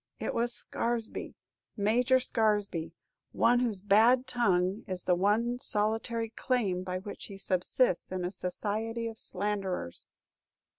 It was Scaresby, Major Scaresby; one whose bad tongue is the one solitary claim by which he subsists in a society of slanderers!"